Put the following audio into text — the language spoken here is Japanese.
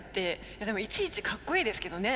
いやでもいちいちかっこいいですけどね。